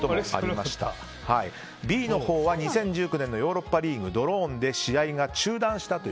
Ｂのほうは２０１９年のヨーロッパリーグで試合が中断したと。